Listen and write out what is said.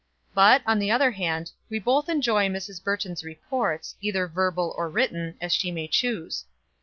But, on the other hand, we both enjoy Mrs. Burton's reports, either verbal or written, as she may choose.